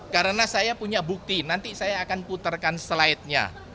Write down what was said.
karena saya punya bukti nanti saya akan putarkan slide nya